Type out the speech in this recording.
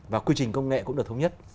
và quy trình công nghệ cũng được thông nhất